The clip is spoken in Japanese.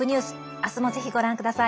明日も、ぜひご覧ください。